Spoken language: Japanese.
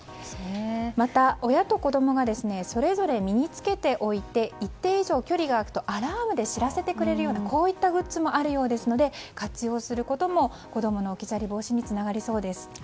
また、親と子供がそれぞれ身に着けておいて一定以上、距離が開くとアラームで知らせてくれるようなこういったグッズもあるようですので活用することも子供の置き去り防止につながりそうです。